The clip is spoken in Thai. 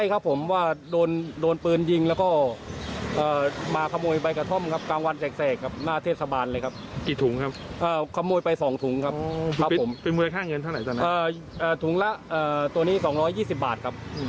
ครับผมแล้วก็มาขโมยแบบกลางวันเสกเลยครับ